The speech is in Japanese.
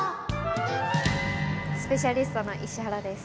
スペシャリストの石原です。